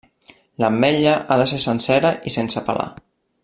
L'ametlla ha de ser sencera i sense pelar.